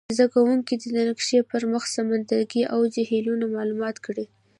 زده کوونکي دې د نقشي پر مخ سمندرګي او جهیلونه معلوم کړي.